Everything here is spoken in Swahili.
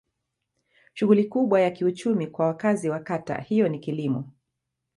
Shughuli kubwa ya kiuchumi kwa wakazi wa kata hiyo ni kilimo.